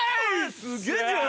すげぇじゃん。